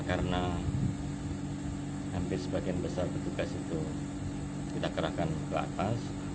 karena hampir sebagian besar petugas itu kita kerahkan ke atas